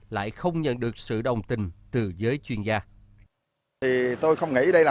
lại không nhận được sự đồng tình từ giới chuyên gia